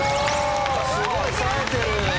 すごいね。